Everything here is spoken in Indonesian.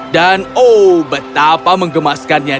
dan oh betapa mengemaskannya